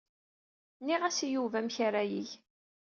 Mliɣ-as i Yuba amek ara yeg.